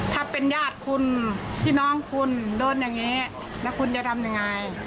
ถ้าเป็นญาติคุณพี่น้องคุณโดนอย่างนี้แล้วคุณจะทำยังไง